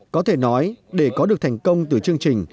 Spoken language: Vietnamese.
có thể nói để có được thành công từ chương trình